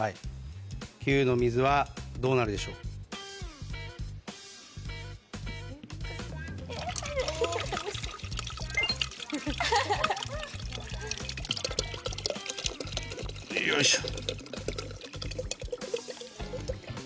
球の水はどうなるでしょう？よいしょ。